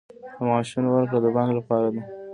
د معاشونو ورکړه د بانک له لارې ده